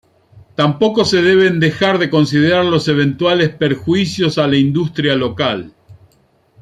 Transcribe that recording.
Tampoco se deben dejar de considerar los eventuales perjuicios a la industria local.